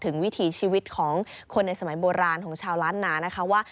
ในสมัยโบราณของชาวล้านนานะคะว่า